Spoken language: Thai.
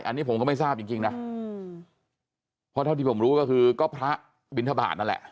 อันนี้ผมก็ไม่ทราบจริงจริงนะเพราะเท่าที่ผมรู้ก็คือก็พระบินทบาทนั่นแหละ